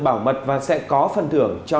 bảo mật và sẽ có phần thưởng cho